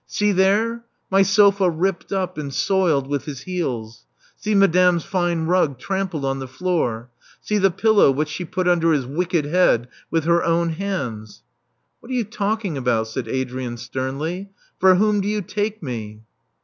See there, my sofa ripped up and soiled with his heels. See madame's fine rug trampled on the floor. See the pillow which she put under his wicked " head with her own hands " What are you talking about?" said Adrian sternly. For whom do you take me?"